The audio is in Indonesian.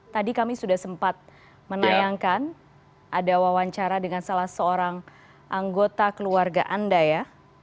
tadi kami sudah sempat menayangkan ada wawancara dengan salah seorang anggota keluarga anda ya